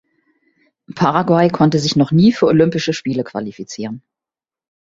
Paraguay konnte sich noch nie für Olympische Spiele qualifizieren.